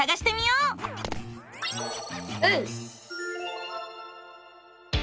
うん！